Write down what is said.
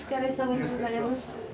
よろしくお願いします。